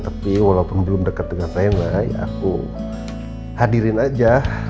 tapi walaupun belum deket dengan rena ya aku hadirin aja